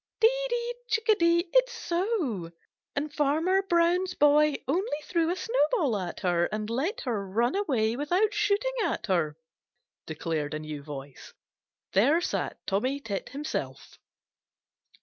"Dee, dee, dee, Chickadee! It's so, and Farmer Brown's boy only threw a snowball at her and let her run away without shooting at her," declared a new voice. There sat Tommy Tit himself.